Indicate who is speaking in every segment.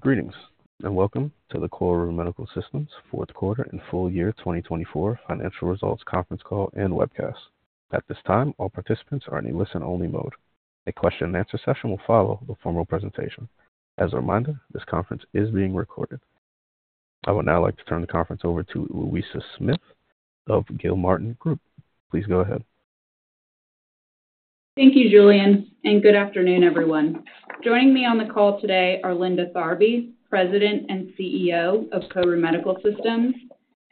Speaker 1: Greetings and welcome to the KORU Medical Systems fourth quarter and full-year 2024 financial results conference call and webcast. At this time, all participants are in a listen-only mode. A question and answer session will follow the formal presentation. As a reminder, this conference is being recorded. I would now like to turn the conference over to Louisa Smith of Gilmartin Group. Please go ahead.
Speaker 2: Thank you, Julian, and good afternoon, everyone. Joining me on the call today are Linda Tharby, President and CEO of KORU Medical Systems,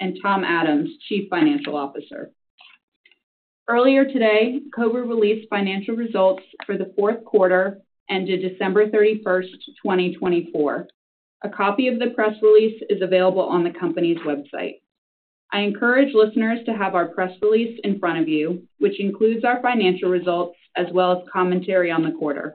Speaker 2: and Tom Adams, Chief Financial Officer. Earlier today, KORU released financial results for the fourth quarter ended December 31st, 2024. A copy of the press release is available on the company's website. I encourage listeners to have our press release in front of you, which includes our financial results as well as commentary on the quarter.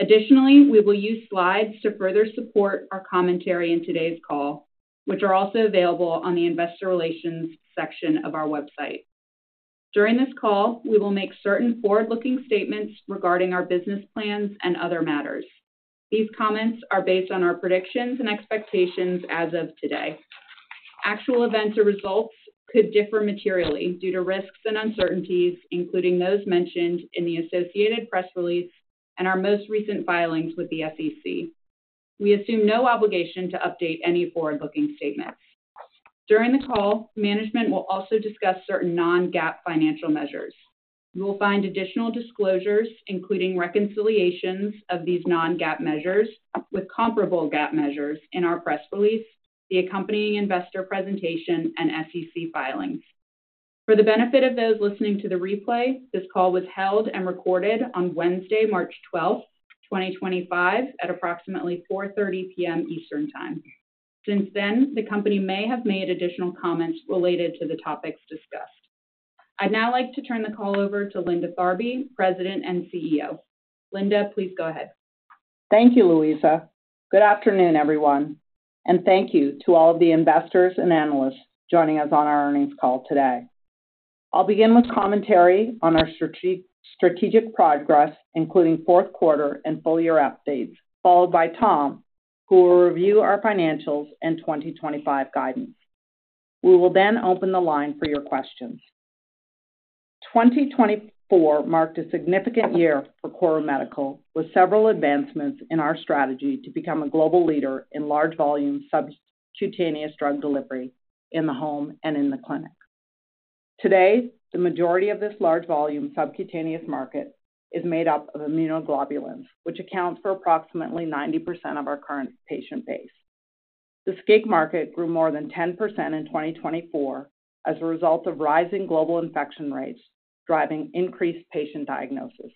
Speaker 2: Additionally, we will use slides to further support our commentary in today's call, which are also available on the Investor Relations section of our website. During this call, we will make certain forward-looking statements regarding our business plans and other matters. These comments are based on our predictions and expectations as of today. Actual events or results could differ materially due to risks and uncertainties, including those mentioned in the associated press release and our most recent filings with the SEC. We assume no obligation to update any forward-looking statements. During the call, management will also discuss certain non-GAAP financial measures. You will find additional disclosures, including reconciliations of these non-GAAP measures with comparable GAAP measures in our press release, the accompanying investor presentation, and SEC filings. For the benefit of those listening to the replay, this call was held and recorded on Wednesday, March 12th, 2025, at approximately 4:30 P.M. Eastern Time. Since then, the company may have made additional comments related to the topics discussed. I'd now like to turn the call over to Linda Tharby, President and CEO. Linda, please go ahead.
Speaker 3: Thank you, Louisa. Good afternoon, everyone, and thank you to all of the investors and analysts joining us on our earnings call today. I'll begin with commentary on our strategic progress, including fourth quarter and full-year updates, followed by Tom, who will review our financials and 2025 guidance. We will then open the line for your questions. 2024 marked a significant year for KORU Medical with several advancements in our strategy to become a global leader in large volume subcutaneous drug delivery in the home and in the clinic. Today, the majority of this large volume subcutaneous market is made up of immunoglobulins, which accounts for approximately 90% of our current patient base. The SCIg market grew more than 10% in 2024 as a result of rising global infection rates, driving increased patient diagnosis.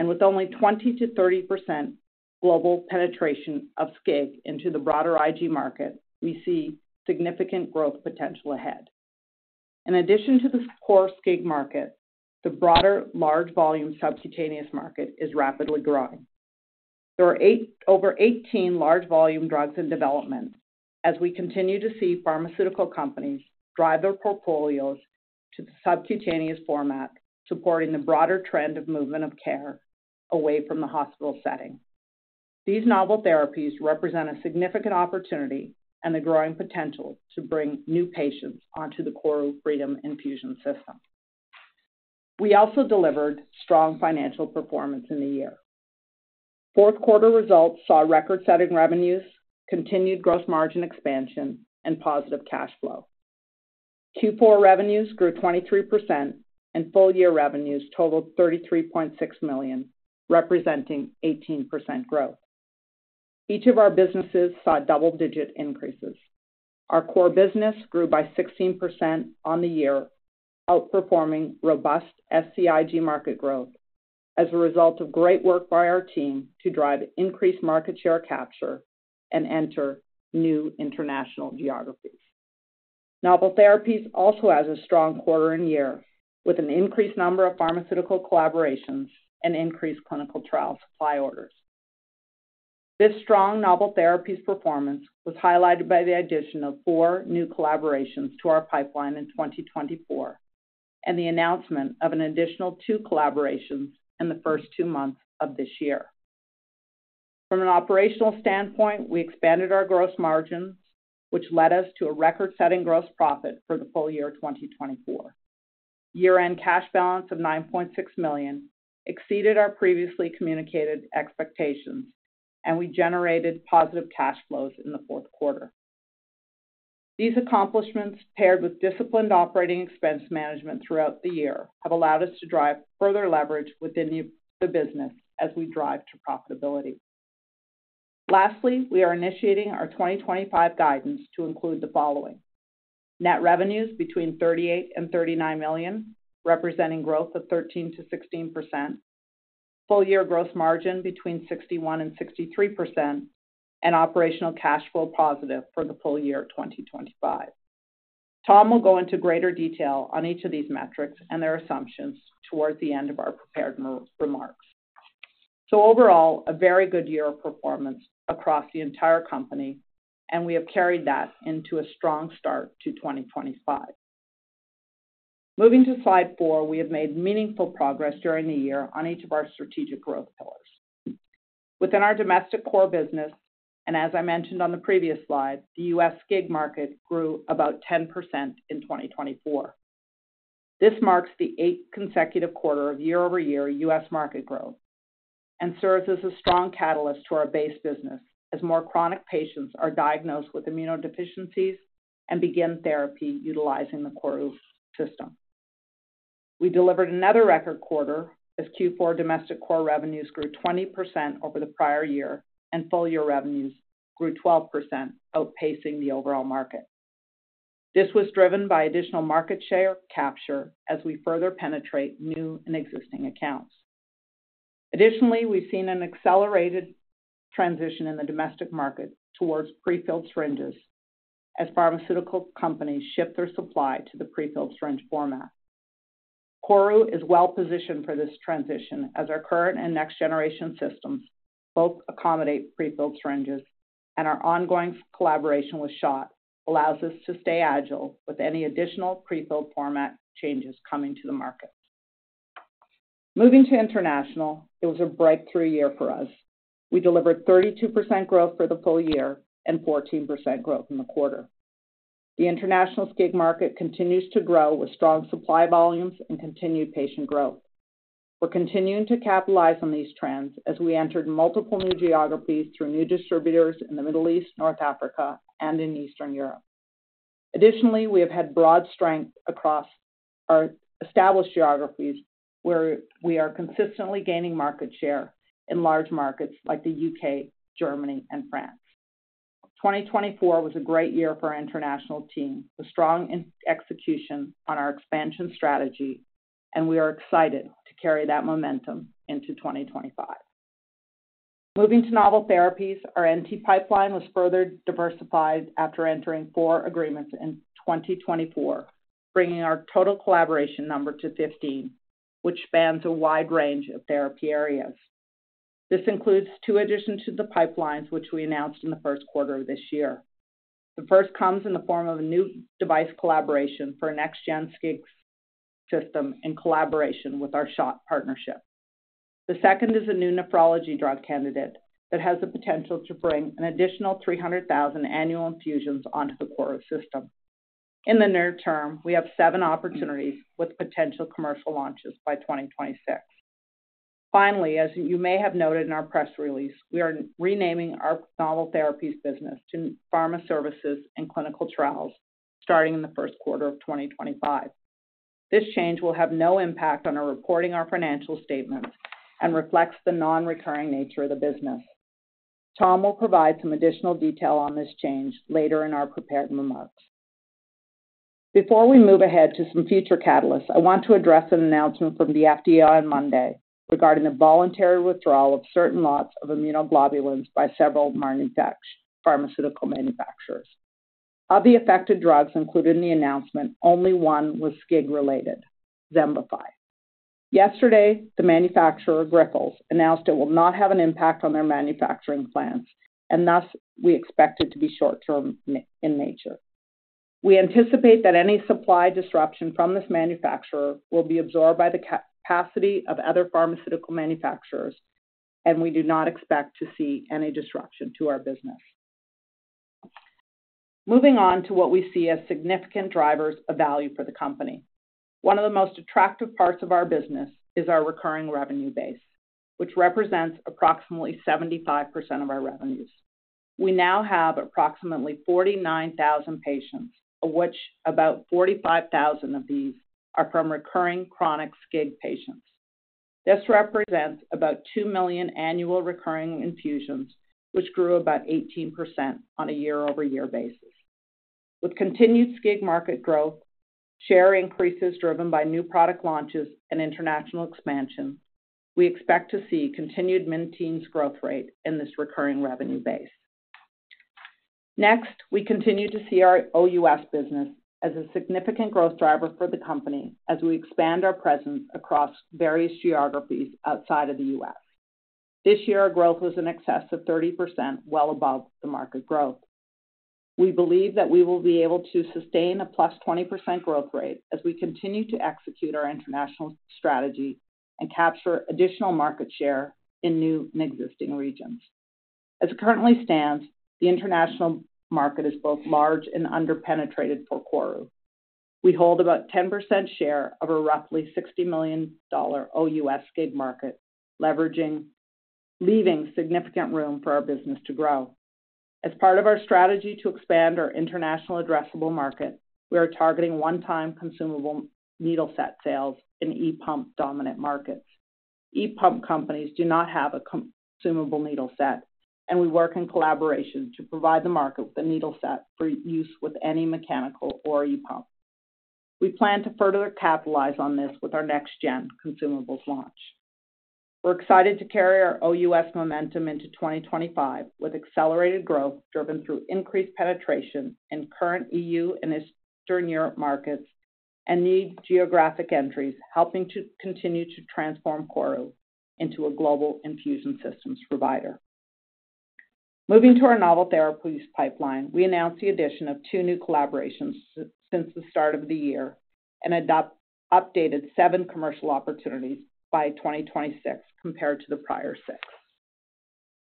Speaker 3: With only 20%-30% global penetration of SCIg into the broader IG market, we see significant growth potential ahead. In addition to the core SCIg market, the broader large volume subcutaneous market is rapidly growing. There are over 18 large volume drugs in development as we continue to see pharmaceutical companies drive their portfolios to the subcutaneous format, supporting the broader trend of movement of care away from the hospital setting. These novel therapies represent a significant opportunity and the growing potential to bring new patients onto the KORU Freedom Infusion System. We also delivered strong financial performance in the year. Fourth quarter results saw record-setting revenues, continued gross margin expansion, and positive cash flow. Q4 revenues grew 23% and full-year revenues totaled $33.6 million, representing 18% growth. Each of our businesses saw double-digit increases. Our core business grew by 16% on the year, outperforming robust SCIg market growth as a result of great work by our team to drive increased market share capture and enter new international geographies. Novel therapies also had a strong quarter and year with an increased number of pharmaceutical collaborations and increased clinical trial supply orders. This strong novel therapies performance was highlighted by the addition of four new collaborations to our pipeline in 2024 and the announcement of an additional two collaborations in the first two months of this year. From an operational standpoint, we expanded our gross margins, which led us to a record-setting gross profit for the full-year 2024. Year-end cash balance of $9.6 million exceeded our previously communicated expectations, and we generated positive cash flows in the fourth quarter. These accomplishments, paired with disciplined operating expense management throughout the year, have allowed us to drive further leverage within the business as we drive to profitability. Lastly, we are initiating our 2025 guidance to include the following: net revenues between $38 million and $39 million, representing growth of 13%-16%, full-year gross margin between 61%-63%, and operational cash flow positive for the full-year 2025. Tom will go into greater detail on each of these metrics and their assumptions towards the end of our prepared remarks. Overall, a very good year of performance across the entire company, and we have carried that into a strong start to 2025. Moving to slide four, we have made meaningful progress during the year on each of our strategic growth pillars. Within our domestic core business, and as I mentioned on the previous slide, the U.S. SCIg market grew about 10% in 2024. This marks the eighth consecutive quarter of year-over-year U.S. market growth and serves as a strong catalyst to our base business as more chronic patients are diagnosed with immunodeficiencies and begin therapy utilizing the KORU system. We delivered another record quarter as Q4 domestic core revenues grew 20% over the prior year and full-year revenues grew 12%, outpacing the overall market. This was driven by additional market share capture as we further penetrate new and existing accounts. Additionally, we've seen an accelerated transition in the domestic market towards prefilled syringes as pharmaceutical companies ship their supply to the prefilled syringe format. KORU is well-positioned for this transition as our current and next-generation systems both accommodate prefilled syringes, and our ongoing collaboration with SCHOTT allows us to stay agile with any additional prefilled format changes coming to the market. Moving to international, it was a breakthrough year for us. We delivered 32% growth for the full-year and 14% growth in the quarter. The international SCIg market continues to grow with strong supply volumes and continued patient growth. We're continuing to capitalize on these trends as we entered multiple new geographies through new distributors in the Middle East, North Africa, and in Eastern Europe. Additionally, we have had broad strength across our established geographies where we are consistently gaining market share in large markets like the U.K., Germany, and France. 2024 was a great year for our international team, a strong execution on our expansion strategy, and we are excited to carry that momentum into 2025. Moving to novel therapies, our NT pipeline was further diversified after entering four agreements in 2024, bringing our total collaboration number to 15, which spans a wide range of therapy areas. This includes two additions to the pipelines, which we announced in the first quarter of this year. The first comes in the form of a new device collaboration for next-gen SCIg system in collaboration with our SCHOTT partnership. The second is a new nephrology drug candidate that has the potential to bring an additional 300,000 annual infusions onto the KORU system. In the near term, we have seven opportunities with potential commercial launches by 2026. Finally, as you may have noted in our press release, we are renaming our novel therapies business to Pharma Services and Clinical Trials starting in the first quarter of 2025. This change will have no impact on our reporting our financial statements and reflects the non-recurring nature of the business. Tom will provide some additional detail on this change later in our prepared remarks. Before we move ahead to some future catalysts, I want to address an announcement from the FDA on Monday regarding the voluntary withdrawal of certain lots of immunoglobulins by several pharmaceutical manufacturers. Of the affected drugs included in the announcement, only one was SCIg-related, XEMBIFY. Yesterday, the manufacturer Grifols announced it will not have an impact on their manufacturing plans, and thus we expect it to be short-term in nature. We anticipate that any supply disruption from this manufacturer will be absorbed by the capacity of other pharmaceutical manufacturers, and we do not expect to see any disruption to our business. Moving on to what we see as significant drivers of value for the company. One of the most attractive parts of our business is our recurring revenue base, which represents approximately 75% of our revenues. We now have approximately 49,000 patients, of which about 45,000 of these are from recurring chronic SCIg patients. This represents about two million annual recurring infusions, which grew about 18% on a year-over-year basis. With continued SCIg market growth, share increases driven by new product launches, and international expansion, we expect to see continued maintenance of growth rate in this recurring revenue base. Next, we continue to see our OUS business as a significant growth driver for the company as we expand our presence across various geographies outside of the U.S.. This year, our growth was in excess of 30%, well above the market growth. We believe that we will be able to sustain a plus 20% growth rate as we continue to execute our international strategy and capture additional market share in new and existing regions. As it currently stands, the international market is both large and under-penetrated for KORU. We hold about 10% share of a roughly $60 million OUS SCIg market, leaving significant room for our business to grow. As part of our strategy to expand our international addressable market, we are targeting one-time consumable needle set sales in e-pump-dominant markets. E-pump companies do not have a consumable needle set, and we work in collaboration to provide the market with a needle set for use with any mechanical or e-pump. We plan to further capitalize on this with our next-gen consumables launch. We're excited to carry our OUS momentum into 2025 with accelerated growth driven through increased penetration in current EU and Eastern Europe markets and new geographic entries, helping to continue to transform KORU into a global infusion systems provider. Moving to our novel therapies pipeline, we announced the addition of two new collaborations since the start of the year and updated seven commercial opportunities by 2026 compared to the prior six.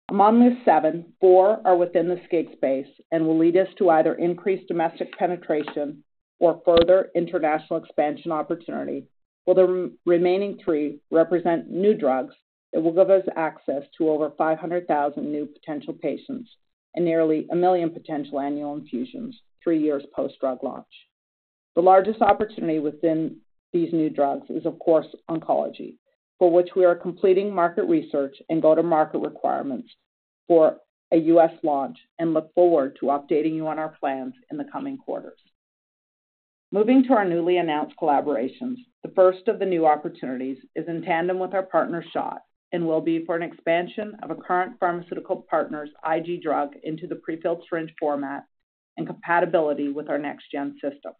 Speaker 3: Among these seven, four are within the SCIg space and will lead us to either increased domestic penetration or further international expansion opportunity. While the remaining three represent new drugs, it will give us access to over 500,000 new potential patients and nearly one million potential annual infusions three years post-drug launch. The largest opportunity within these new drugs is, of course, oncology, for which we are completing market research and go-to-market requirements for a U.S. launch and look forward to updating you on our plans in the coming quarters. Moving to our newly announced collaborations, the first of the new opportunities is in tandem with our partner SCHOTT and will be for an expansion of a current pharmaceutical partner's IG drug into the prefilled syringe format and compatibility with our next-gen system.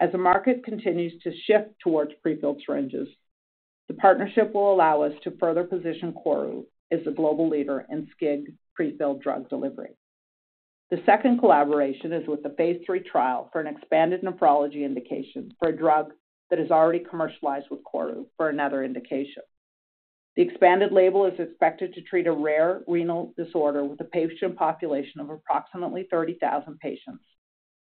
Speaker 3: As the market continues to shift towards prefilled syringes, the partnership will allow us to further position KORU as a global leader in SCIg prefilled drug delivery. The second collaboration is with the phase III trial for an expanded nephrology indication for a drug that is already commercialized with KORU for another indication. The expanded label is expected to treat a rare renal disorder with a patient population of approximately 30,000 patients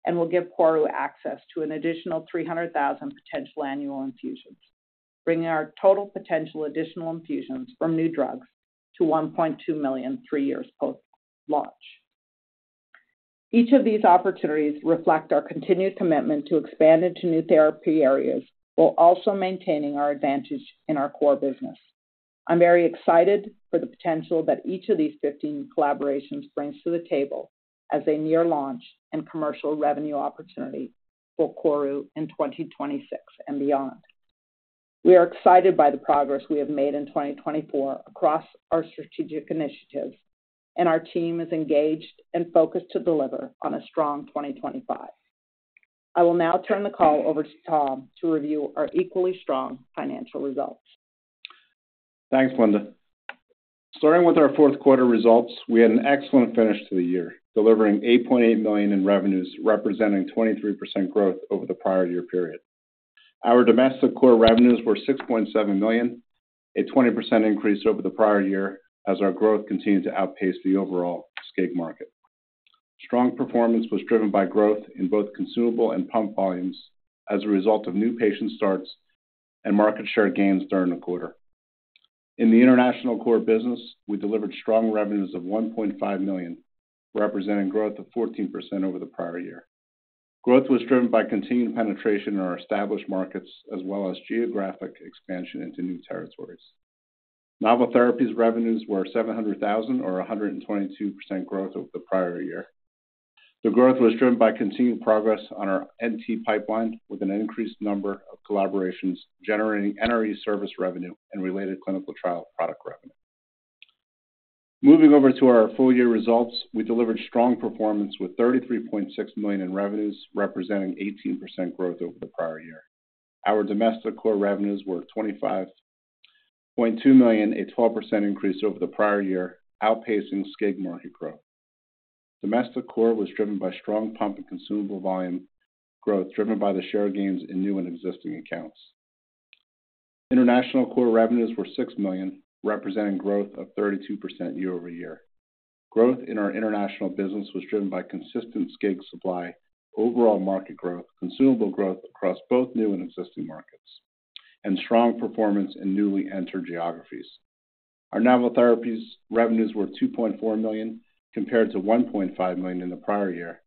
Speaker 3: and will give KORU access to an additional 300,000 potential annual infusions, bringing our total potential additional infusions from new drugs to 1.2 million three years post-launch. Each of these opportunities reflect our continued commitment to expand into new therapy areas while also maintaining our advantage in our core business. I'm very excited for the potential that each of these 15 collaborations brings to the table as a near launch and commercial revenue opportunity for KORU in 2026 and beyond. We are excited by the progress we have made in 2024 across our strategic initiatives, and our team is engaged and focused to deliver on a strong 2025. I will now turn the call over to Tom to review our equally strong financial results.
Speaker 4: Thanks, Linda. Starting with our fourth quarter results, we had an excellent finish to the year, delivering $8.8 million in revenues, representing 23% growth over the prior year period. Our domestic core revenues were $6.7 million, a 20% increase over the prior year as our growth continued to outpace the overall SCIg market. Strong performance was driven by growth in both consumable and pump volumes as a result of new patient starts and market share gains during the quarter. In the international core business, we delivered strong revenues of $1.5 million, representing growth of 14% over the prior year. Growth was driven by continued penetration in our established markets as well as geographic expansion into new territories. Novel therapies revenues were $700,000, or 122% growth over the prior year. The growth was driven by continued progress on our NT pipeline with an increased number of collaborations, generating NRE service revenue and related clinical trial product revenue. Moving over to our full-year results, we delivered strong performance with $33.6 million in revenues, representing 18% growth over the prior year. Our domestic core revenues were $25.2 million, a 12% increase over the prior year, outpacing SCIg market growth. Domestic core was driven by strong pump and consumable volume growth, driven by the share gains in new and existing accounts. International core revenues were $6 million, representing growth of 32% year-over-year. Growth in our international business was driven by consistent SCIg supply, overall market growth, consumable growth across both new and existing markets, and strong performance in newly entered geographies. Our novel therapies revenues were $2.4 million compared to $1.5 million in the prior year,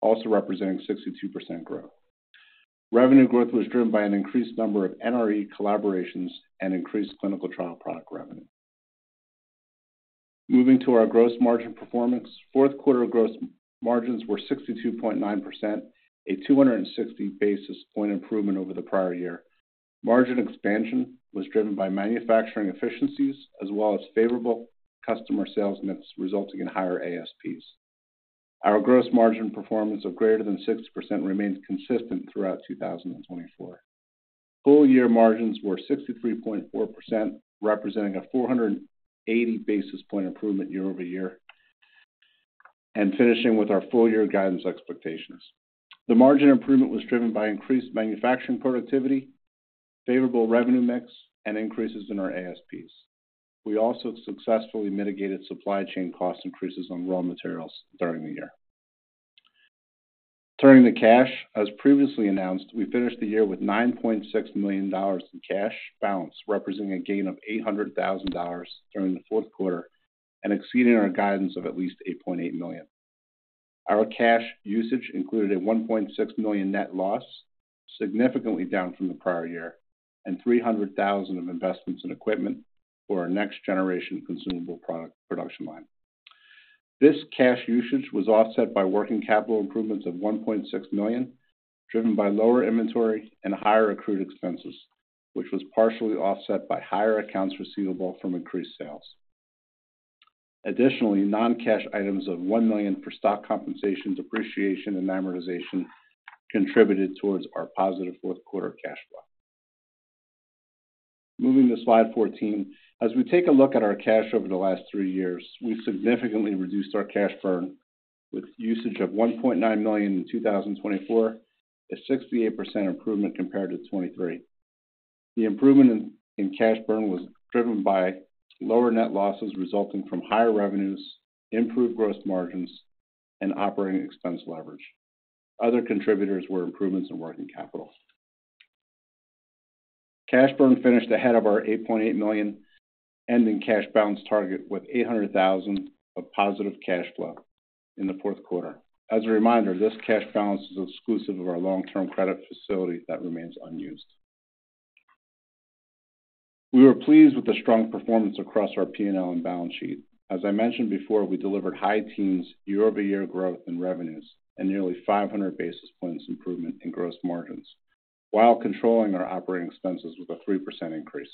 Speaker 4: also representing 62% growth. Revenue growth was driven by an increased number of NRE collaborations and increased clinical trial product revenue. Moving to our gross margin performance, fourth quarter gross margins were 62.9%, a 260 basis point improvement over the prior year. Margin expansion was driven by manufacturing efficiencies as well as favorable customer sales mix, resulting in higher ASPs. Our gross margin performance of greater than 60% remained consistent throughout 2024. full-year margins were 63.4%, representing a 480 basis point improvement year-over-year, and finishing with our full-year guidance expectations. The margin improvement was driven by increased manufacturing productivity, favorable revenue mix, and increases in our ASPs. We also successfully mitigated supply chain cost increases on raw materials during the year. Turning to cash, as previously announced, we finished the year with $9.6 million in cash balance, representing a gain of $800,000 during the fourth quarter and exceeding our guidance of at least $8.8 million. Our cash usage included a $1.6 million net loss, significantly down from the prior year, and $300,000 of investments in equipment for our next generation consumable product production line. This cash usage was offset by working capital improvements of $1.6 million, driven by lower inventory and higher accrued expenses, which was partially offset by higher accounts receivable from increased sales. Additionally, non-cash items of $1 million for stock compensation, depreciation, and amortization contributed towards our positive fourth quarter cash flow. Moving to slide 14, as we take a look at our cash over the last three years, we significantly reduced our cash burn with usage of $1.9 million in 2024, a 68% improvement compared to 2023. The improvement in cash burn was driven by lower net losses resulting from higher revenues, improved gross margins, and operating expense leverage. Other contributors were improvements in working capital. Cash burn finished ahead of our $8.8 million ending cash balance target with $800,000 of positive cash flow in the fourth quarter. As a reminder, this cash balance is exclusive of our long-term credit facility that remains unused. We were pleased with the strong performance across our P&L and balance sheet. As I mentioned before, we delivered high teens, year-over-year growth in revenues and nearly 500 basis points improvement in gross margins while controlling our operating expenses with a 3% increase.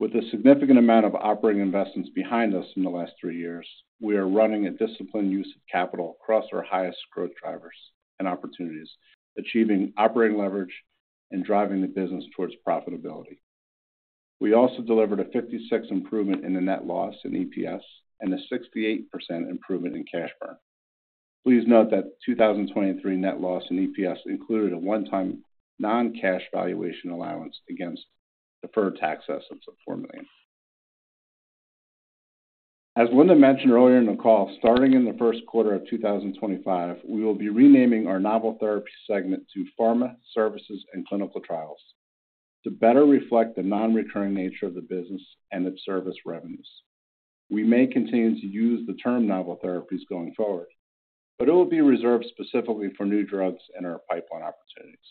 Speaker 4: With a significant amount of operating investments behind us in the last three years, we are running a disciplined use of capital across our highest growth drivers and opportunities, achieving operating leverage and driving the business towards profitability. We also delivered a 56% improvement in the net loss in EPS and a 68% improvement in cash burn. Please note that 2023 net loss in EPS included a one-time non-cash valuation allowance against deferred tax assets of $4 million. As Linda mentioned earlier in the call, starting in the first quarter of 2025, we will be renaming our novel therapy segment to Pharma Services and Clinical Trials to better reflect the non-recurring nature of the business and its service revenues. We may continue to use the term novel therapies going forward, but it will be reserved specifically for new drugs and our pipeline opportunities.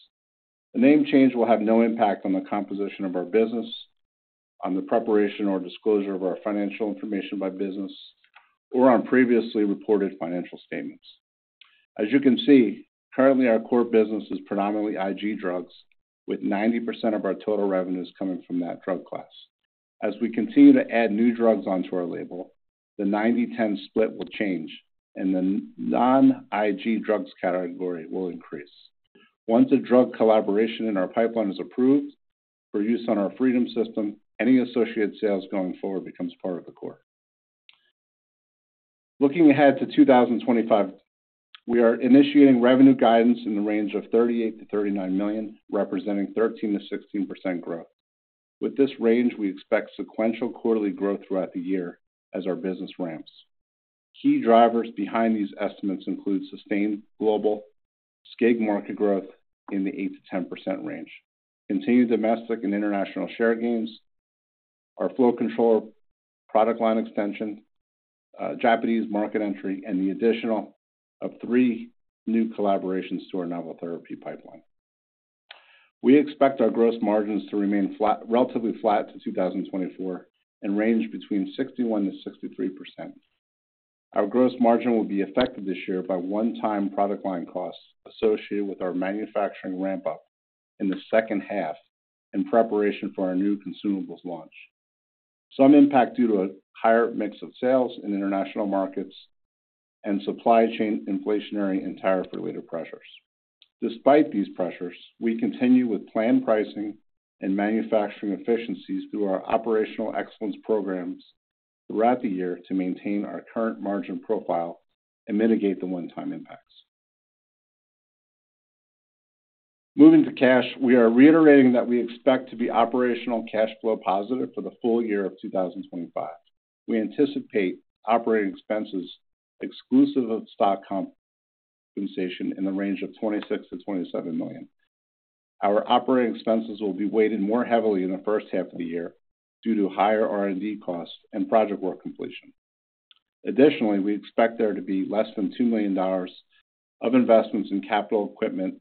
Speaker 4: The name change will have no impact on the composition of our business, on the preparation or disclosure of our financial information by business, or on previously reported financial statements. As you can see, currently our core business is predominantly IG drugs, with 90% of our total revenues coming from that drug class. As we continue to add new drugs onto our label, the 90/10 split will change, and the non-IG drugs category will increase. Once a drug collaboration in our pipeline is approved for use on our Freedom System, any associated sales going forward becomes part of the core. Looking ahead to 2025, we are initiating revenue guidance in the range of $38 million-$39 million, representing 13%-16% growth. With this range, we expect sequential quarterly growth throughout the year as our business ramps. Key drivers behind these estimates include sustained global SCIg market growth in the 8%-10% range, continued domestic and international share gains, our flow control product line extension, Japanese market entry, and the addition of three new collaborations to our novel therapy pipeline. We expect our gross margins to remain relatively flat to 2024 and range between 61%-63%. Our gross margin will be affected this year by one-time product line costs associated with our manufacturing ramp-up in the second half in preparation for our new consumables launch. Some impact due to a higher mix of sales in international markets and supply chain inflationary and tariff-related pressures. Despite these pressures, we continue with planned pricing and manufacturing efficiencies through our operational excellence programs throughout the year to maintain our current margin profile and mitigate the one-time impacts. Moving to cash, we are reiterating that we expect to be operational cash flow positive for the full-year of 2025. We anticipate operating expenses exclusive of stock compensation in the range of $26 million-$27 million. Our operating expenses will be weighted more heavily in the first half of the year due to higher R&D costs and project work completion. Additionally, we expect there to be less than $2 million of investments in capital equipment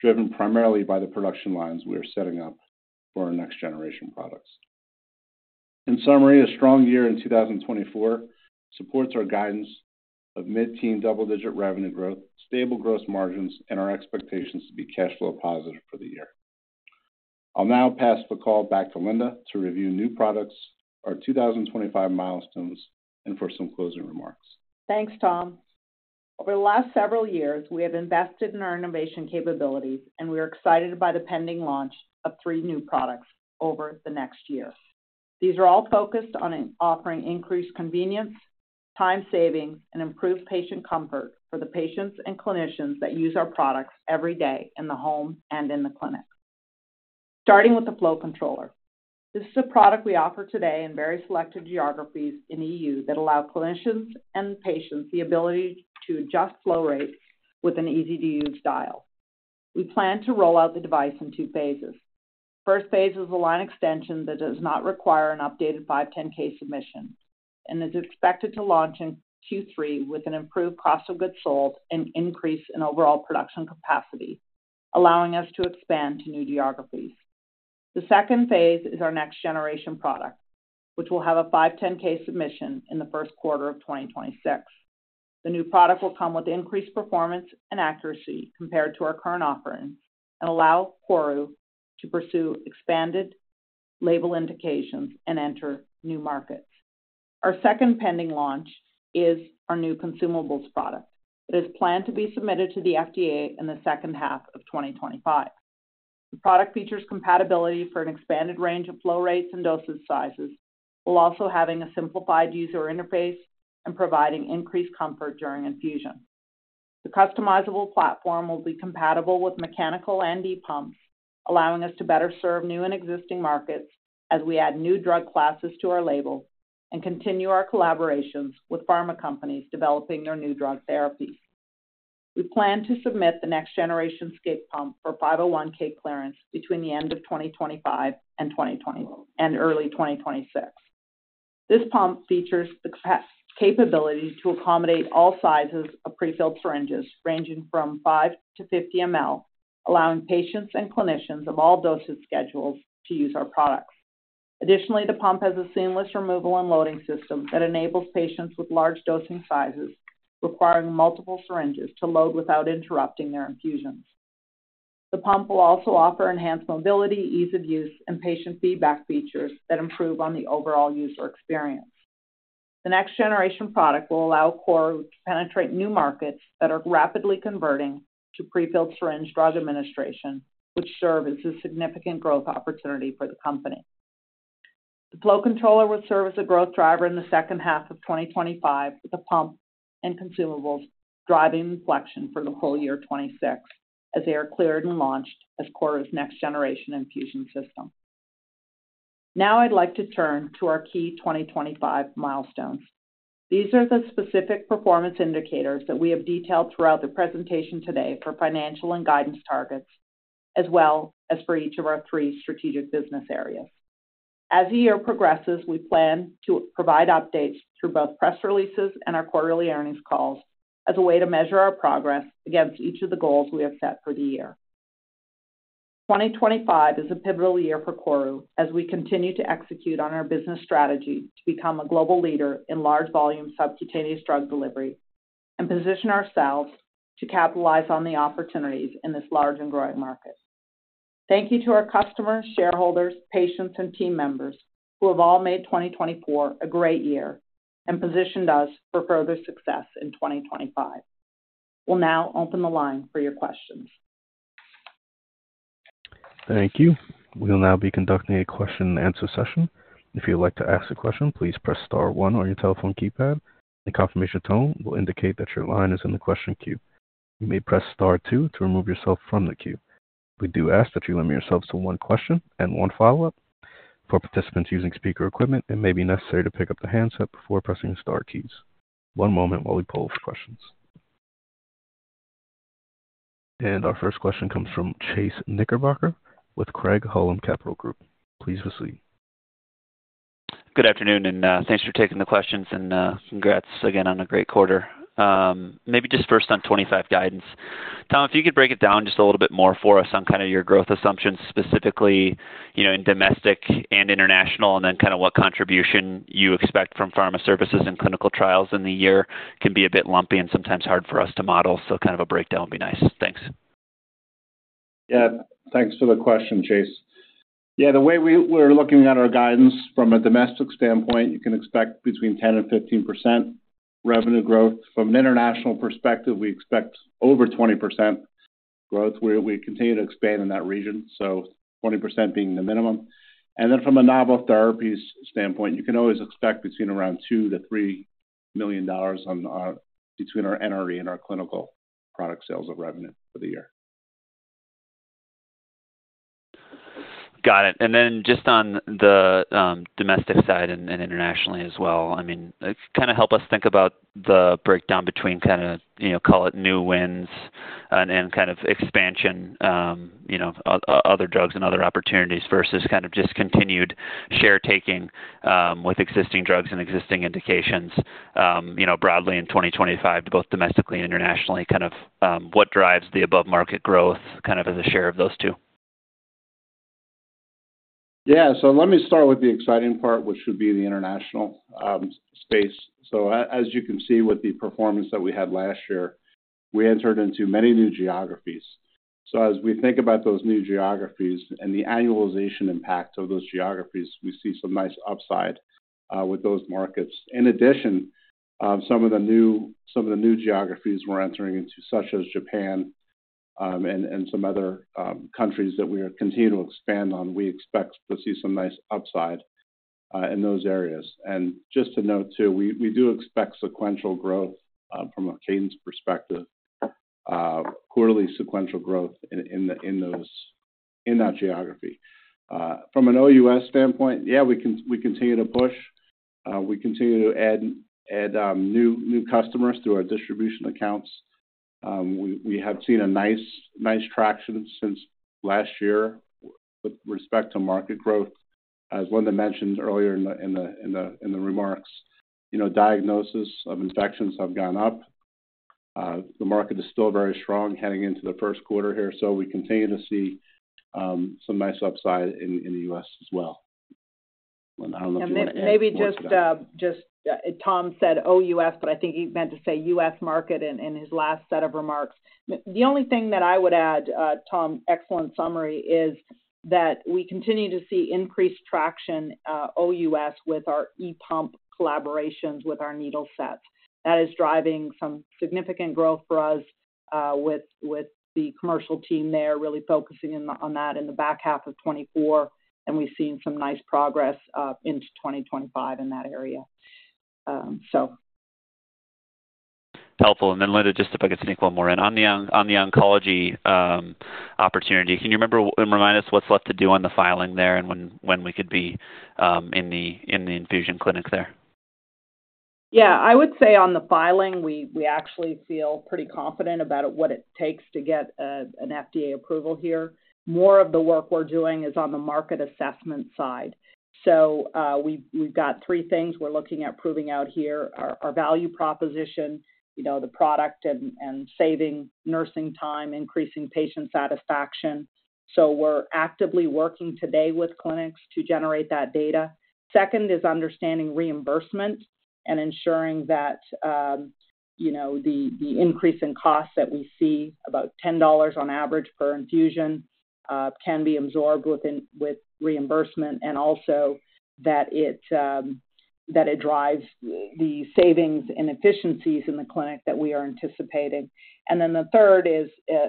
Speaker 4: driven primarily by the production lines we are setting up for our next-generation products. In summary, a strong year in 2024 supports our guidance of mid-teen, double-digit revenue growth, stable gross margins, and our expectations to be cash flow positive for the year. I'll now pass the call back to Linda to review new products, our 2025 milestones, and for some closing remarks.
Speaker 3: Thanks, Tom. Over the last several years, we have invested in our innovation capabilities, and we are excited by the pending launch of three new products over the next year. These are all focused on offering increased convenience, time savings, and improved patient comfort for the patients and clinicians that use our products every day in the home and in the clinic. Starting with the Flow Rate Controller, this is a product we offer today in very selected geographies in the European Union that allow clinicians and patients the ability to adjust flow rate with an easy-to-use dial. We plan to roll out the device in two phases. The first phase is a line extension that does not require an updated 510(k) submission and is expected to launch in Q3 with an improved cost of goods sold and increase in overall production capacity, allowing us to expand to new geographies. The second phase is our next generation product, which will have a 510(k) submission in the first quarter of 2026. The new product will come with increased performance and accuracy compared to our current offerings and allow KORU to pursue expanded label indications and enter new markets. Our second pending launch is our new consumables product. It is planned to be submitted to the FDA in the second half of 2025. The product features compatibility for an expanded range of flow rates and dosage sizes, while also having a simplified user interface and providing increased comfort during infusion. The customizable platform will be compatible with mechanical and e-pumps, allowing us to better serve new and existing markets as we add new drug classes to our label and continue our collaborations with pharma companies developing their new drug therapies. We plan to submit the next generation SCIg pump for 510(k) clearance between the end of 2025 and early 2026. This pump features the capability to accommodate all sizes of prefilled syringes ranging from 5 ml-50 ml, allowing patients and clinicians of all dosage schedules to use our products. Additionally, the pump has a seamless removal and loading system that enables patients with large dosing sizes requiring multiple syringes to load without interrupting their infusions. The pump will also offer enhanced mobility, ease of use, and patient feedback features that improve on the overall user experience. The next generation product will allow KORU to penetrate new markets that are rapidly converting to prefilled syringe drug administration, which serves as a significant growth opportunity for the company. The Flow Rate Controller will serve as a growth driver in the second half of 2025, with the pump and consumables driving inflection for the full-year 2026 as they are cleared and launched as KORU's next-generation infusion system. Now I'd like to turn to our key 2025 milestones. These are the specific performance indicators that we have detailed throughout the presentation today for financial and guidance targets, as well as for each of our three strategic business areas. As the year progresses, we plan to provide updates through both press releases and our quarterly earnings calls as a way to measure our progress against each of the goals we have set for the year. 2025 is a pivotal year for KORU as we continue to execute on our business strategy to become a global leader in large volume subcutaneous drug delivery and position ourselves to capitalize on the opportunities in this large and growing market. Thank you to our customers, shareholders, patients, and team members who have all made 2024 a great year and positioned us for further success in 2025. We'll now open the line for your questions.
Speaker 1: Thank you. We'll now be conducting a question and answer session. If you'd like to ask a question, please press star one on your telephone keypad. The confirmation tone will indicate that your line is in the question queue. You may press star two to remove yourself from the queue. We do ask that you limit yourself to one question and one follow-up. For participants using speaker equipment, it may be necessary to pick up the handset before pressing the star keys. One moment while we pull up questions. Our first question comes from Chase Knickerbocker with Craig-Hallum Capital Group. Please proceed.
Speaker 5: Good afternoon and thanks for taking the questions and congrats again on a great quarter. Maybe just first on 2025 guidance. Tom, if you could break it down just a little bit more for us on kind of your growth assumptions, specifically in domestic and international, and then kind of what contribution you expect from Pharma Services and Clinical Trials in the year can be a bit lumpy and sometimes hard for us to model. A breakdown would be nice. Thanks.
Speaker 4: Yeah, thanks for the question, Chase. Yeah, the way we're looking at our guidance from a domestic standpoint, you can expect between 10%-15% revenue growth. From an international perspective, we expect over 20% growth. We continue to expand in that region, so 20% being the minimum. From a novel therapies standpoint, you can always expect between around $2 million-$3 million between our NRE and our clinical product sales of revenue for the year.
Speaker 5: Got it. Just on the domestic side and internationally as well, I mean, kind of help us think about the breakdown between kind of, you know, call it new wins and kind of expansion, other drugs and other opportunities versus kind of just continued share taking with existing drugs and existing indications broadly in 2025, both domestically and internationally. Kind of what drives the above-market growth kind of as a share of those two?
Speaker 4: Yeah, let me start with the exciting part, which would be the international space. As you can see with the performance that we had last year, we entered into many new geographies. As we think about those new geographies and the annualization impact of those geographies, we see some nice upside with those markets. In addition, some of the new geographies we're entering into, such as Japan and some other countries that we continue to expand on, we expect to see some nice upside in those areas. Just to note too, we do expect sequential growth from a cadence perspective, quarterly sequential growth in that geography. From an OUS standpoint, yeah, we continue to push. We continue to add new customers through our distribution accounts. We have seen nice traction since last year with respect to market growth. As Linda mentioned earlier in the remarks, diagnosis of infections have gone up. The market is still very strong heading into the first quarter here. We continue to see some nice upside in the U.S. as well. I do not know if you want to add anything.
Speaker 3: Maybe just Tom said OUS, but I think he meant to say U.S. market in his last set of remarks. The only thing that I would add, Tom, excellent summary, is that we continue to see increased traction OUS with our e-pump collaborations with our needle sets. That is driving some significant growth for us with the commercial team there really focusing on that in the back half of 2024, and we have seen some nice progress into 2025 in that area.
Speaker 5: Helpful. Linda, just if I could sneak one more in on the oncology opportunity, can you remember and remind us what's left to do on the filing there and when we could be in the infusion clinic there?
Speaker 3: Yeah, I would say on the filing, we actually feel pretty confident about what it takes to get an FDA approval here. More of the work we're doing is on the market assessment side. We've got three things we're looking at proving out here: our value proposition, the product and saving nursing time, increasing patient satisfaction. We're actively working today with clinics to generate that data. Second is understanding reimbursement and ensuring that the increase in costs that we see, about $10 on average per infusion, can be absorbed with reimbursement and also that it drives the savings and efficiencies in the clinic that we are anticipating. The third is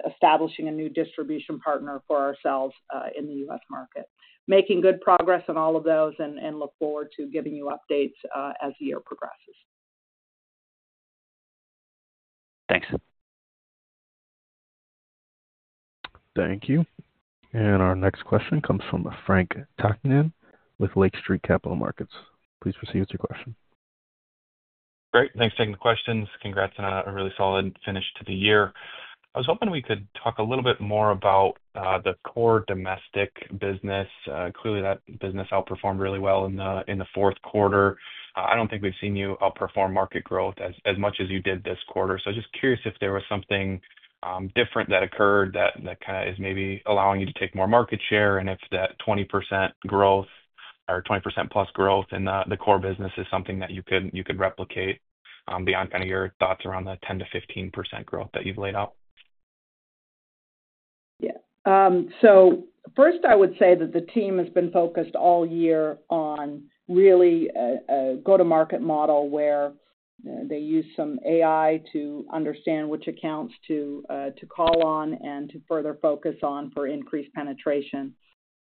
Speaker 3: establishing a new distribution partner for ourselves in the U.S. market. Making good progress on all of those and look forward to giving you updates as the year progresses.
Speaker 5: Thanks.
Speaker 1: Thank you. Our next question comes from Frank Takkinen with Lake Street Capital Markets. Please proceed with your question.
Speaker 6: Great. Thanks for taking the questions. Congrats on a really solid finish to the year. I was hoping we could talk a little bit more about the core domestic business. Clearly, that business outperformed really well in the fourth quarter. I do not think we have seen you outperform market growth as much as you did this quarter. I'm just curious if there was something different that occurred that kind of is maybe allowing you to take more market share and if that 20% growth or 20%+ growth in the core business is something that you could replicate beyond kind of your thoughts around the 10%-15% growth that you've laid out.
Speaker 3: Yeah. First, I would say that the team has been focused all year on really a go-to-market model where they use some AI to understand which accounts to call on and to further focus on for increased penetration.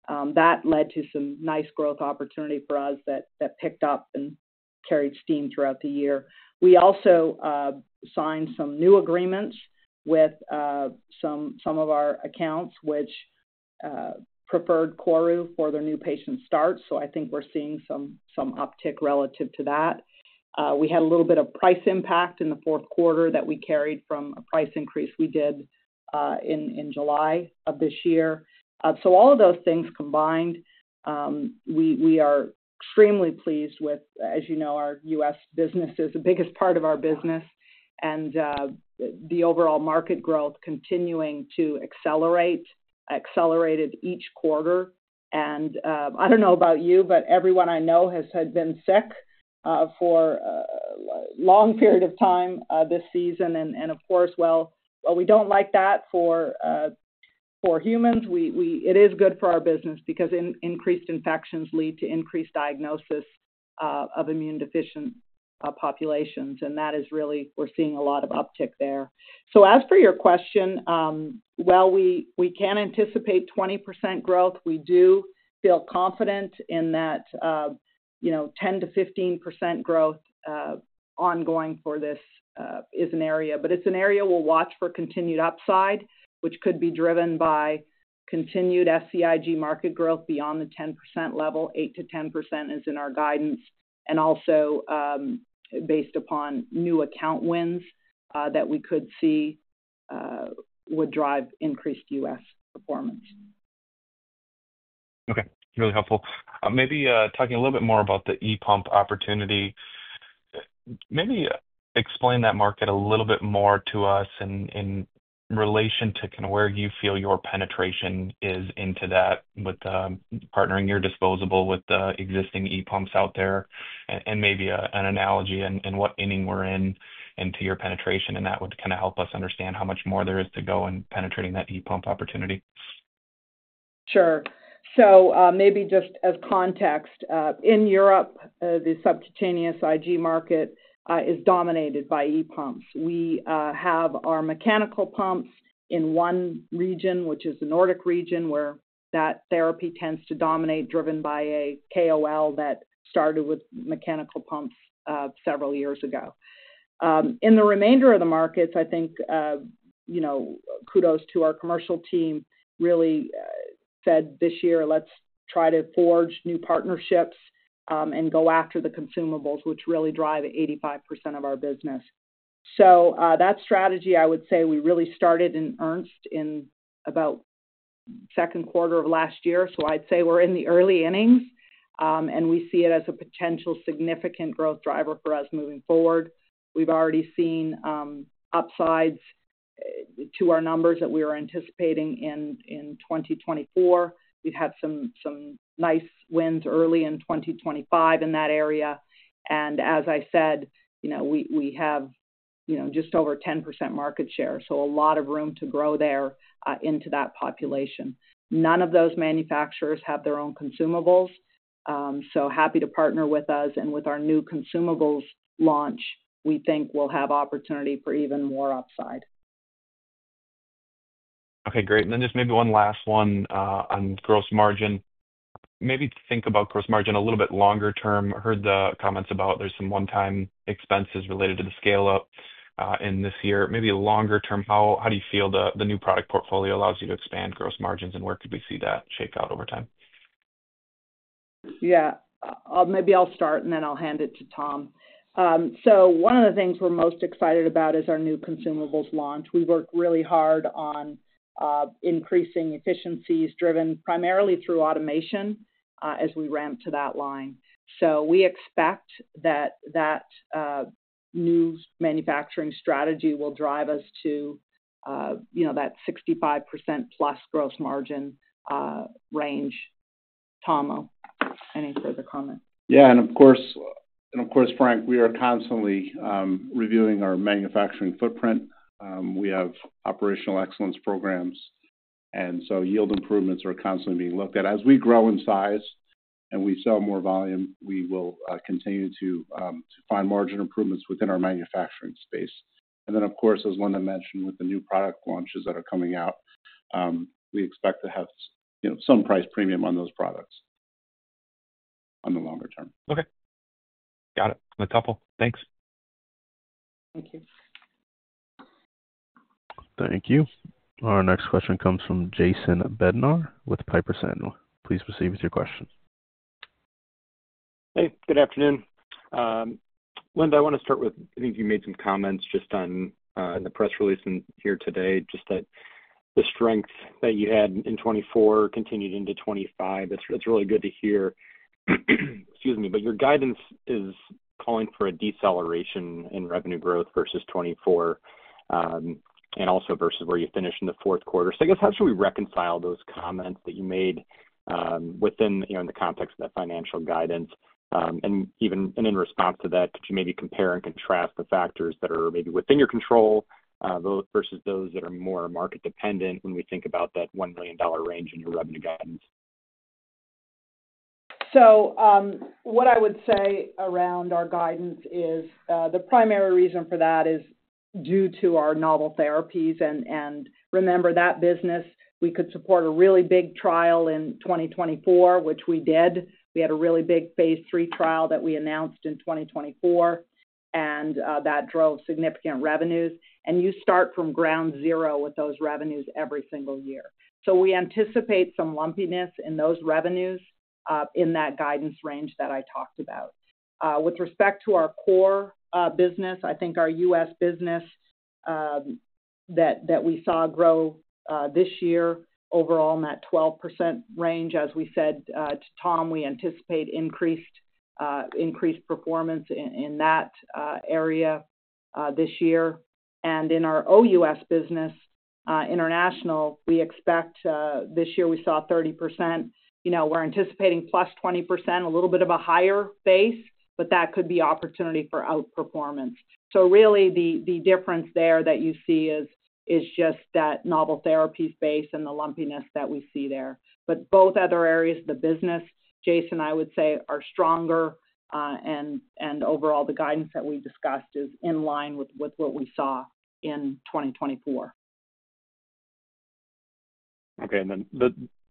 Speaker 3: That led to some nice growth opportunity for us that picked up and carried steam throughout the year. We also signed some new agreements with some of our accounts, which preferred KORU for their new patient start. I think we're seeing some uptick relative to that. We had a little bit of price impact in the fourth quarter that we carried from a price increase we did in July of this year. All of those things combined, we are extremely pleased with, as you know, our U.S. business is the biggest part of our business and the overall market growth continuing to accelerate each quarter. I don't know about you, but everyone I know has been sick for a long period of time this season. Of course, we don't like that for humans. It is good for our business because increased infections lead to increased diagnosis of immune deficient populations. That is really we're seeing a lot of uptick there. As for your question, we can anticipate 20% growth. We do feel confident in that 10%-15% growth ongoing for this is an area, but it's an area we'll watch for continued upside, which could be driven by continued SCIg market growth beyond the 10% level. 8%-10% is in our guidance. Also based upon new account wins that we could see would drive increased U.S. performance.
Speaker 6: Okay. Really helpful. Maybe talking a little bit more about the e-pump opportunity. Maybe explain that market a little bit more to us in relation to kind of where you feel your penetration is into that with partnering your disposable with the existing e-pumps out there and maybe an analogy and what inning we're in into your penetration. That would kind of help us understand how much more there is to go in penetrating that e-pump opportunity.
Speaker 3: Sure. Maybe just as context, in Europe, the subcutaneous IG market is dominated by e-pumps. We have our mechanical pumps in one region, which is the Nordic region, where that therapy tends to dominate driven by a KOL that started with mechanical pumps several years ago. In the remainder of the markets, I think kudos to our commercial team really said this year, "Let's try to forge new partnerships and go after the consumables," which really drive 85% of our business. That strategy, I would say we really started in earnest in about second quarter of last year. I'd say we're in the early innings and we see it as a potential significant growth driver for us moving forward. We've already seen upsides to our numbers that we were anticipating in 2024. We've had some nice wins early in 2025 in that area. As I said, we have just over 10% market share. So a lot of room to grow there into that population. None of those manufacturers have their own consumables. So happy to partner with us. And with our new consumables launch, we think we'll have opportunity for even more upside.
Speaker 6: Okay. Great. And then just maybe one last one on gross margin. Maybe think about gross margin a little bit longer term. Heard the comments about there's some one-time expenses related to the scale-up in this year. Maybe longer term, how do you feel the new product portfolio allows you to expand gross margins and where could we see that shake out over time?
Speaker 3: Yeah. Maybe I'll start and then I'll hand it to Tom. So one of the things we're most excited about is our new consumables launch. We work really hard on increasing efficiencies driven primarily through automation as we ramp to that line. We expect that that new manufacturing strategy will drive us to that 65%+ gross margin range. Tom, any further comment?
Speaker 4: Yeah. Of course, Frank, we are constantly reviewing our manufacturing footprint. We have operational excellence programs. Yield improvements are constantly being looked at. As we grow in size and we sell more volume, we will continue to find margin improvements within our manufacturing space. Of course, as Linda mentioned, with the new product launches that are coming out, we expect to have some price premium on those products on the longer term.
Speaker 6: Okay. Got it. That's helpful. Thanks.
Speaker 3: Thank you.
Speaker 1: Thank you. Our next question comes from Jason Bednar with Piper Sandler. Please proceed with your question.
Speaker 7: Hey. Good afternoon. Linda, I want to start with, I think you made some comments just on the press release here today, just that the strength that you had in 2024 continued into 2025. It's really good to hear. Excuse me, but your guidance is calling for a deceleration in revenue growth versus 2024 and also versus where you finished in the fourth quarter. I guess how should we reconcile those comments that you made within the context of that financial guidance? Even in response to that, could you maybe compare and contrast the factors that are maybe within your control versus those that are more market-dependent when we think about that $1 million range in your revenue guidance?
Speaker 3: What I would say around our guidance is the primary reason for that is due to our novel therapies. Remember that business, we could support a really big trial in 2024, which we did. We had a really big phase III trial that we announced in 2024, and that drove significant revenues. You start from ground zero with those revenues every single year. We anticipate some lumpiness in those revenues in that guidance range that I talked about. With respect to our core business, I think our U.S. business that we saw grow this year overall in that 12% range, as we said to Tom, we anticipate increased performance in that area this year. In our OUS business, international, we expect this year we saw 30%. We're anticipating plus 20%, a little bit of a higher base, but that could be opportunity for outperformance. The difference there that you see is just that novel therapies base and the lumpiness that we see there. Both other areas of the business, Jason, I would say are stronger. Overall, the guidance that we discussed is in line with what we saw in 2024.
Speaker 7: Okay.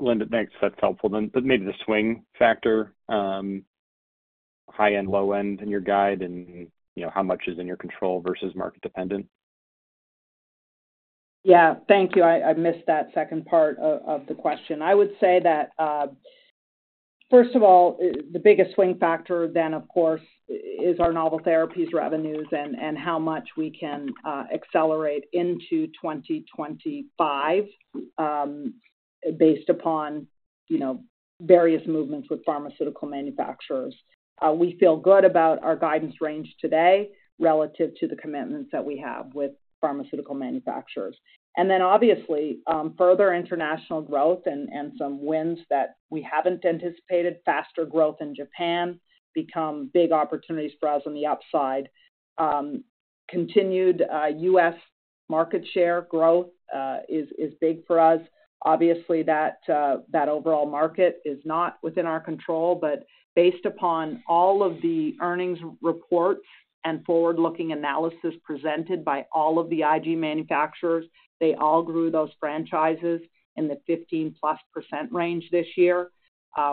Speaker 7: Linda, thanks. That's helpful. Maybe the swing factor, high end, low end in your guide and how much is in your control versus market-dependent?
Speaker 3: Yeah. Thank you. I missed that second part of the question. I would say that first of all, the biggest swing factor then, of course, is our novel therapies revenues and how much we can accelerate into 2025 based upon various movements with pharmaceutical manufacturers. We feel good about our guidance range today relative to the commitments that we have with pharmaceutical manufacturers. Obviously, further international growth and some wins that we haven't anticipated, faster growth in Japan, become big opportunities for us on the upside. Continued U.S. market share growth is big for us. Obviously, that overall market is not within our control, but based upon all of the earnings reports and forward-looking analysis presented by all of the IG manufacturers, they all grew those franchises in the 15%+ range this year,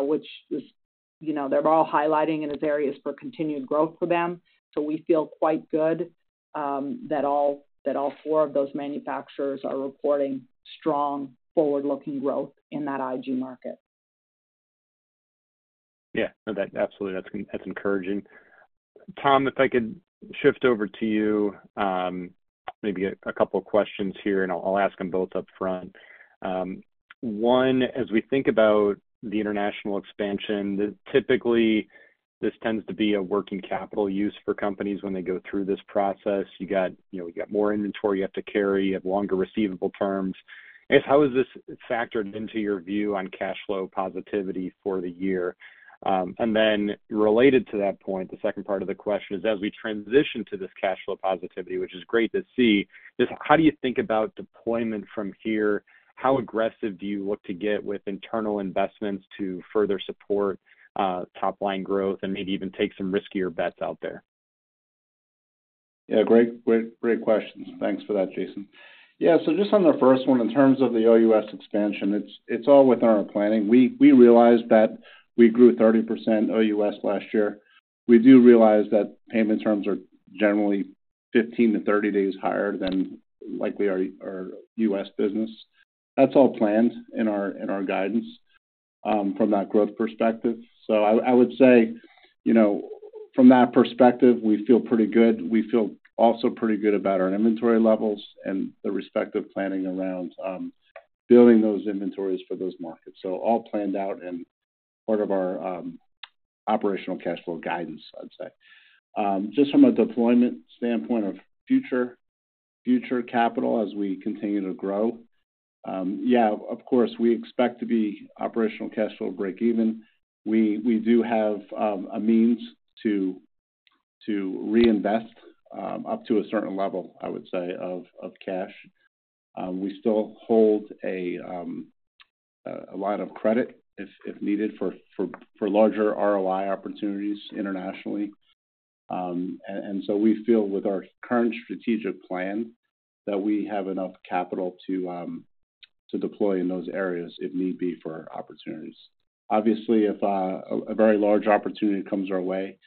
Speaker 3: which they're all highlighting as areas for continued growth for them. We feel quite good that all four of those manufacturers are reporting strong forward-looking growth in that IG market.
Speaker 7: Yeah. Absolutely. That's encouraging. Tom, if I could shift over to you, maybe a couple of questions here, and I'll ask them both upfront. One, as we think about the international expansion, typically this tends to be a working capital use for companies when they go through this process. You got more inventory you have to carry. You have longer receivable terms. I guess how is this factored into your view on cash flow positivity for the year? Then related to that point, the second part of the question is, as we transition to this cash flow positivity, which is great to see, how do you think about deployment from here? How aggressive do you look to get with internal investments to further support top-line growth and maybe even take some riskier bets out there?
Speaker 4: Yeah. Great questions. Thanks for that, Jason. Yeah. Just on the first one, in terms of the OUS expansion, it's all within our planning. We realized that we grew 30% OUS last year. We do realize that payment terms are generally 15-30 days higher than likely our U.S. business. That's all planned in our guidance from that growth perspective. I would say from that perspective, we feel pretty good. We feel also pretty good about our inventory levels and the respective planning around building those inventories for those markets. All planned out and part of our operational cash flow guidance, I'd say. Just from a deployment standpoint of future capital as we continue to grow. Yeah. Of course, we expect to be operational cash flow break-even. We do have a means to reinvest up to a certain level, I would say, of cash. We still hold a lot of credit if needed for larger ROI opportunities internationally. We feel with our current strategic plan that we have enough capital to deploy in those areas if need be for opportunities. Obviously, if a very large opportunity comes our way,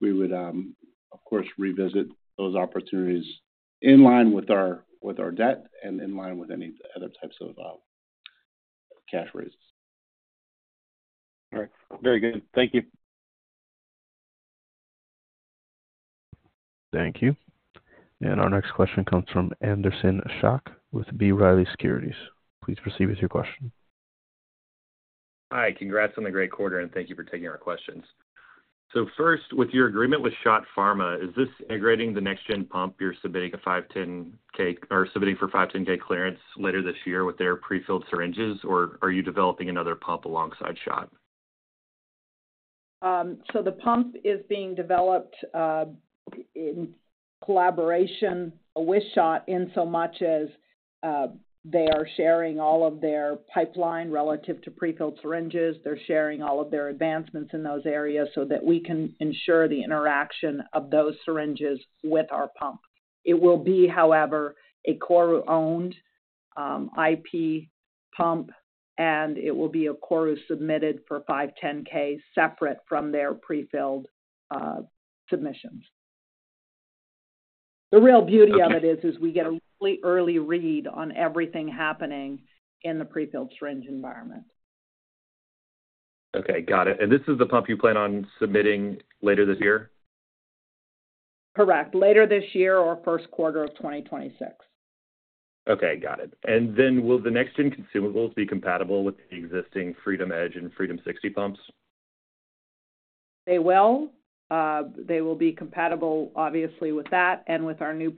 Speaker 4: we would, of course, revisit those opportunities in line with our debt and in line with any other types of cash raises.
Speaker 7: All right. Very good. Thank you.
Speaker 1: Thank you. Oucr next question comes from Anderson Schock with B. Riley Securities. Please proceed with your question.
Speaker 8: Hi. Congrats on the great quarter. Thank you for taking our questions. First, with your agreement with SCHOTT Pharma, is this integrating the next-gen pump you're submitting for 510(k) clearance later this year with their prefilled syringes, or are you developing another pump alongside SCHOTT?
Speaker 3: The pump is being developed in collaboration with SCHOTT in so much as they are sharing all of their pipeline relative to prefilled syringes. They're sharing all of their advancements in those areas so that we can ensure the interaction of those syringes with our pump. It will be, however, a KORU-owned IP pump, and it will be a KORU-submitted for 510(k) separate from their prefilled submissions. The real beauty of it is we get a really early read on everything happening in the prefilled syringe environment.
Speaker 8: Okay. Got it. This is the pump you plan on submitting later this year?
Speaker 3: Correct. Later this year or first quarter of 2026.
Speaker 8: Okay. Got it. Will the next-gen consumables be compatible with the existing FreedomEDGE and Freedom60 pumps?
Speaker 3: They will. They will be compatible, obviously, with that. With our new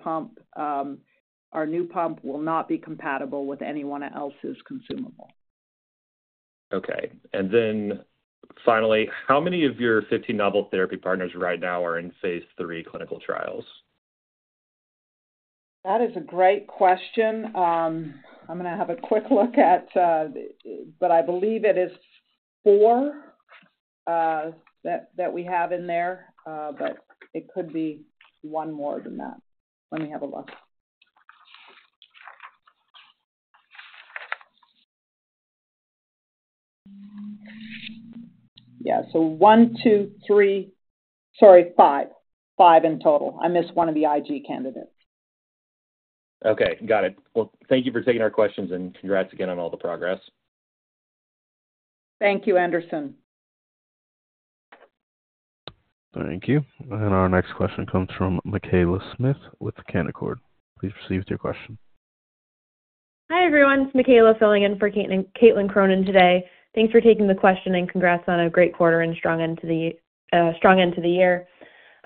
Speaker 3: pump, our new pump will not be compatible with anyone else's consumable.
Speaker 8: Okay. Finally, how many of your 15 novel therapy partners right now are in phase III clinical trials?
Speaker 3: That is a great question. I'm going to have a quick look at, but I believe it is four that we have in there, but it could be one more than that. Let me have a look. Yeah. One, two, three—sorry, five. Five in total. I missed one of the IG candidates.
Speaker 8: Okay. Got it. Thank you for taking our questions and congrats again on all the progress.
Speaker 3: Thank you, Anderson.
Speaker 1: Thank you. Our next question comes from Michaela Smith with Canaccord. Please proceed with your question.
Speaker 9: Hi everyone. It's Michaela filling in for Caitlin Cronin today. Thanks for taking the question and congrats on a great quarter and strong end to the year.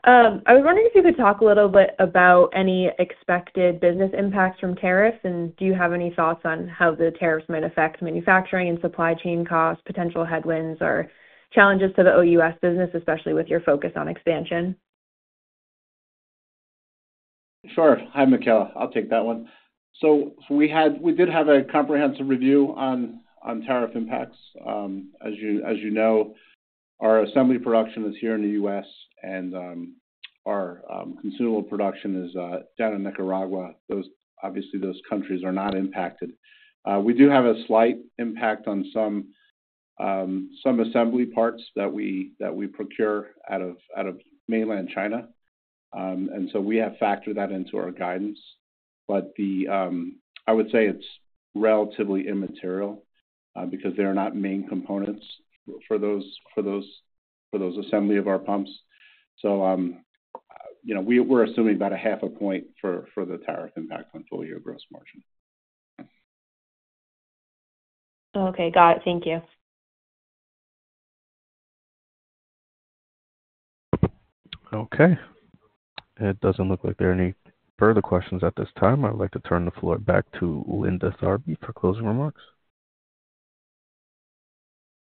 Speaker 9: I was wondering if you could talk a little bit about any expected business impacts from tariffs, and do you have any thoughts on how the tariffs might affect manufacturing and supply chain costs, potential headwinds, or challenges to the OUS business, especially with your focus on expansion?
Speaker 4: Sure. Hi, Michaela. I'll take that one. We did have a comprehensive review on tariff impacts. As you know, our assembly production is here in the U.S., and our consumable production is down in Nicaragua. Obviously, those countries are not impacted. We do have a slight impact on some assembly parts that we procure out of mainland China. We have factored that into our guidance. I would say it's relatively immaterial because they are not main components for those assembly of our pumps. We're assuming about half a point for the tariff impact on full-year gross margin.
Speaker 9: Okay. Got it. Thank you.
Speaker 1: Okay. It doesn't look like there are any further questions at this time. I'd like to turn the floor back to Linda Tharby for closing remarks.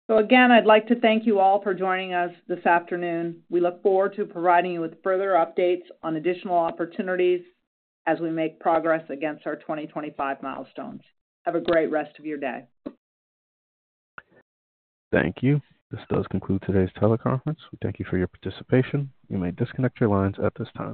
Speaker 3: Again, I'd like to thank you all for joining us this afternoon. We look forward to providing you with further updates on additional opportunities as we make progress against our 2025 milestones. Have a great rest of your day.
Speaker 1: Thank you. This does conclude today's teleconference. We thank you for your participation. You may disconnect your lines at this time.